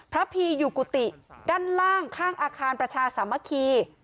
พีอยู่กุฏิด้านล่างข้างอาคารประชาสามัคคี